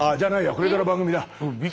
これから番組だ。